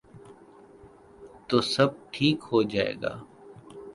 تو سب ٹھیک ہو جائے گا۔